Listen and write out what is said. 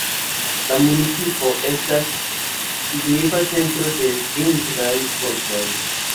La municipo estas signifa centro de vintraj sportoj.